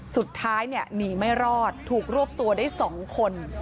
สุดท้ายหนีไม่รอดถูกรวบตัวได้๒คน